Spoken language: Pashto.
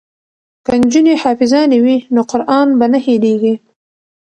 که نجونې حافظانې وي نو قران به نه هیریږي.